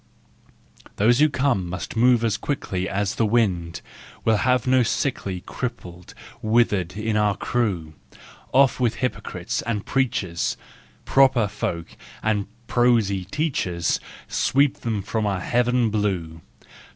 24 370 THE JOYFUL WISDOM Those who come must move as quickly As the wind—we'll have no sickly, Crippled, withered, in our crew; Off with hypocrites and preachers, Proper folk and prosy teachers, Sweep them from our heaven blue.